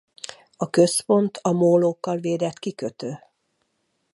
A központ a mólókkal védett kikötő.